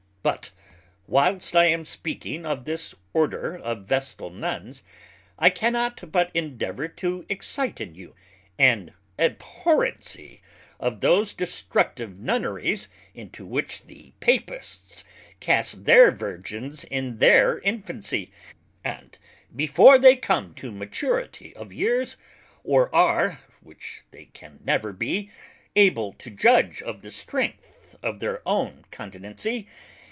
But whilest I am speaking of this Order of Vestal Nuns, I cannot but endeavour to excite in you an abhorrency of those destructive Nunneries into which the Papists cast their Virgins in their infancy, and before they come to maturity of years, or are (which they can never be) able to judge of the strength of their own continency.